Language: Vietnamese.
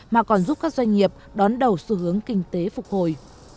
mà còn giúp các doanh nghiệp đón đầu xu hướng kinh tế phục hồi